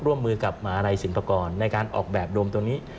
ร่วมมือกับหมาลัยศิลปกรณ์ในการออกแบบโดมตัวนี้